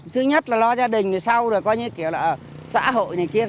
thứ nhất là lo gia đình sau đó có những kiểu là xã hội này kia